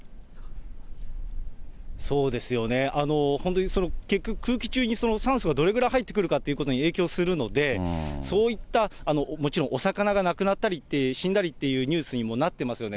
そうですよね、本当に結局空気中に酸素がどれぐらい入ってくるかということに影響するので、そういったもちろんお魚が亡くなったりって、死んだりっていうニュースにもなってますよね。